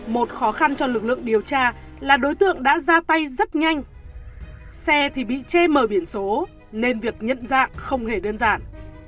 một khó khăn cho lực lượng điều tra là đối tượng đã ra tay rất nhanh xe thì bị che mờ biển số nên việc nhận dạng không hề đơn giản